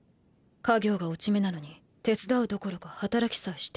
家業が落ち目なのに手伝うどころか働きさえしていない。